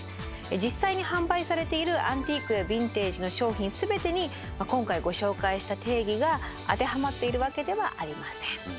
実際に販売されている「アンティーク」「ヴィンテージ」の商品すべてに今回ご紹介した定義が当てはまっているわけではありません。